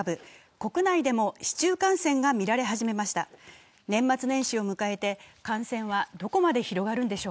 国内でも市中感染が見られ始めました。